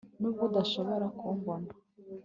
nubwo udashobora kumbona